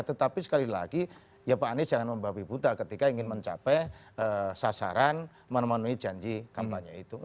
tetapi sekali lagi ya pak anies jangan membabi buta ketika ingin mencapai sasaran memenuhi janji kampanye itu